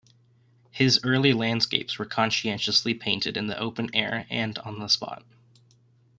His early landscapes were conscientiously painted in the open air and on the spot.